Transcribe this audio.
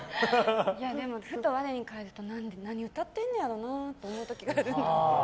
でもふと我に返ると何歌ってんねやろなって思う時があるんですよ。